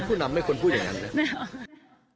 ผู้นำไม่ควรพูดอย่างนั้นนะ